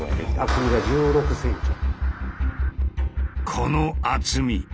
この厚み。